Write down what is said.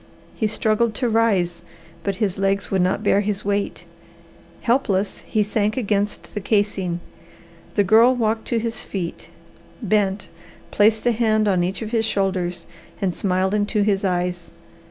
He struggled to rise, but his legs would not bear his weight. Helpless, he sank against the casing. The girl walked to his feet, bent, placed a hand on each of his shoulders, and smiled into his eyes.